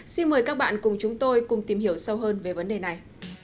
xin mời các bạn cùng chúng tôi cùng tìm hiểu sâu hơn về vấn đề này